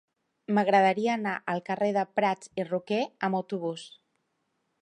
M'agradaria anar al carrer de Prats i Roquer amb autobús.